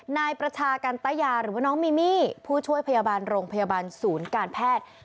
นายประชากันตะยาหรือว่าน้องมิมี่ผู้ช่วยพยาบาลโรงพยาบาลศูนย์การแพทย์